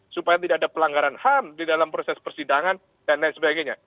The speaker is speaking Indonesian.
supaya tidak ada pelanggaran ham di dalam proses persidangan dan lain sebagainya